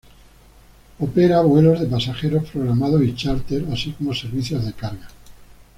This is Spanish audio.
Opera vuelos de pasajeros programados y charter, así como servicios de carga.